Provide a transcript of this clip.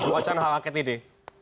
bawa keangket ini